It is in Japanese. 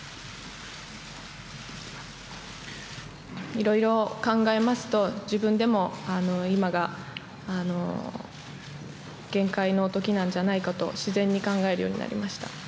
いろいろ考えますと自分でも今が限界の時なんじゃないかと自然に考えるようになりました。